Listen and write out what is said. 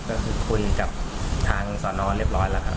ก็คือคุยกับทางสอนอเรียบร้อยแล้วครับ